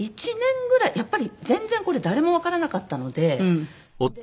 やっぱり全然これ誰もわからなかったので。